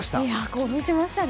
興奮しましたね。